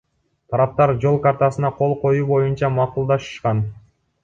Тараптар жол картасына кол коюу боюнча макулдашышкан.